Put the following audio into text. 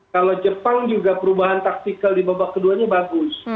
kalau jepang juga perubahan taktikal di babak keduanya bagus